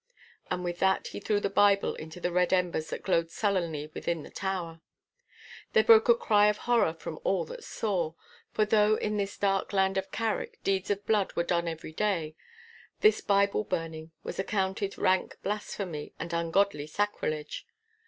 And with that he threw the Bible into the red embers that glowed sullenly within the tower. There broke a cry of horror from all that saw. For though in this dark land of Carrick deeds of blood were done every day, this Bible burning was accounted rank blasphemy and ungodly sacrilege.